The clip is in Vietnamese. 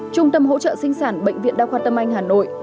trung tâm hỗ trợ sinh sản bệnh viện đa khoa tâm anh hà nội